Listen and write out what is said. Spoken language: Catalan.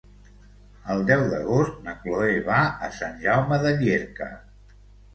El deu d'agost na Cloè va a Sant Jaume de Llierca.